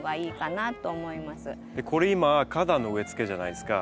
これ今花壇の植えつけじゃないですか。